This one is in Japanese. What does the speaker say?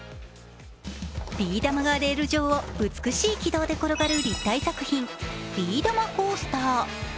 ビー玉がレール上を美しい軌道で転がる立体作品・ビー玉コースター。